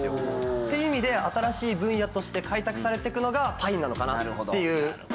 っていう意味で新しい分野として開拓されていくのがパインなのかなっていう。